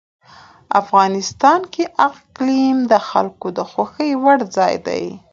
افغانستان کې اقلیم د خلکو د خوښې وړ ځای دی.